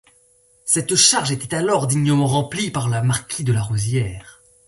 Cette charge était alors dignement remplie par le marquis de la Rozière.